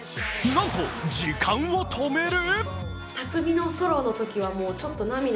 なんと時間を止める？